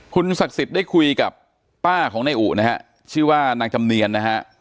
คุณศักดิ์สิทธิ์ได้คุยกับป้าของนายอุนะฮะชื่อว่านางจำเนียนนะฮะ